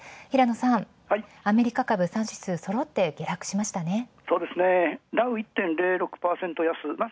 平野さん、アメリカ株、３指数そろって下落しましたね。